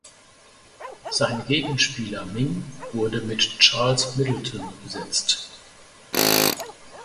Sein Gegenspieler Ming wurde mit Charles Middleton besetzt.